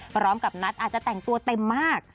พร้อมกับนัทอาจจะแต่งตัวเต็มมาก